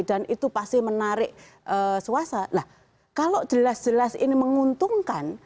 dan itu pasti menarik suasana kalau jelas jelas ini menguntungkan